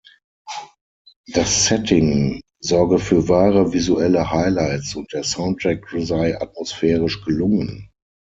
Das Setting sorge für wahre visuelle Highlights und der Soundtrack sei atmosphärisch gelungen.